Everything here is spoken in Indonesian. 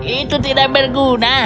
itu tidak berguna